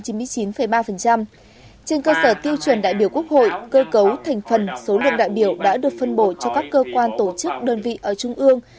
trên cơ sở tiêu chuẩn đại biểu quốc hội cơ cấu thành phần số lượng đại biểu đã được phân bổ cho các cơ quan tổ chức đơn vị ở trung ương